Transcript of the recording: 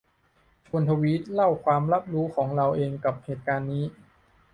ชวนทวีตเล่าความรับรู้ของเราเองกับเหตุการณ์นี้